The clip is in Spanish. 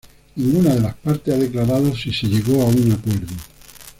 Ninguna de las partes ha declarado si se llegó a un acuerdo.